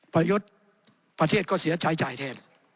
ประยุทธ์ประเทศก็เสียใช้จ่ายแทน